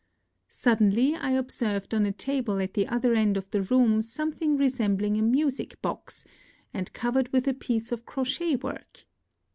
Suddenly I observed on a table at the other end of the room something resembling a music box, and covered with a piece of cro chet work!